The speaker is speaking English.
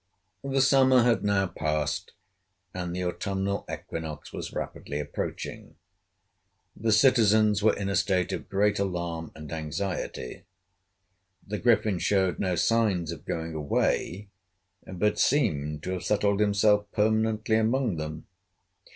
The summer had now passed, and the autumnal equinox was rapidly approaching. The citizens were in a state of great alarm and anxiety. The Griffin showed no signs of going away, but seemed to have settled himself permanently among them.